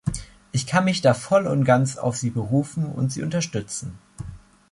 Ich kann mich da voll und ganz auf sie berufen und sie unterstützen.